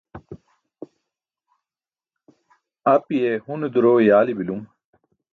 apiye hune duro e yaali bilum